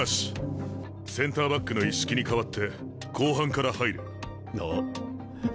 センターバックの一色に代わって後半から入れ。な？え？